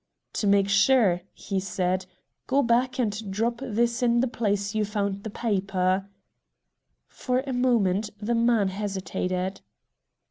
"To make sure," he said, "C4 go back and drop this in the place you found the paper." For a moment the man hesitated.